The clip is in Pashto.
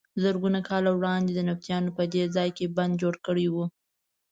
زرګونه کاله وړاندې نبطیانو په دې ځای کې بند جوړ کړی و.